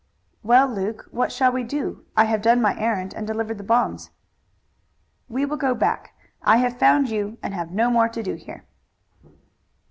"Well, Luke, what shall we do? I have done my errand and delivered the bonds." "We will go back. I have found you and have no more to do here."